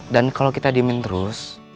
dan kalo kita diemin terus